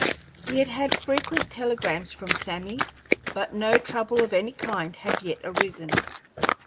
He had had frequent telegrams from Sammy, but no trouble of any kind had yet arisen.